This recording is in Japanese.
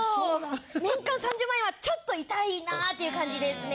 年間３０万円はちょっと痛いなっていう感じですね。